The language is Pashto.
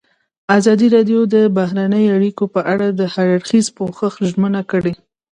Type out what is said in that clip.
ازادي راډیو د بهرنۍ اړیکې په اړه د هر اړخیز پوښښ ژمنه کړې.